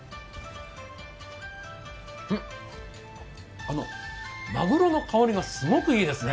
ん、まぐろの香りがすごくいいですね。